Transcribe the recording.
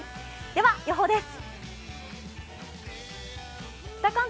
では予報です。